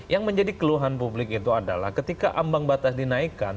yang menjadi keluhan publik itu adalah ketika ambang batas dinaikkan